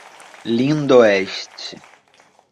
Lindoeste